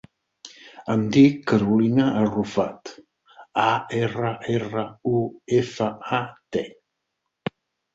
Em dic Carolina Arrufat: a, erra, erra, u, efa, a, te.